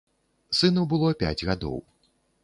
Сыну было пяць гадоў.